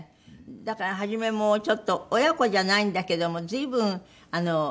だから初めもちょっと親子じゃないんだけども随分あれでしたよね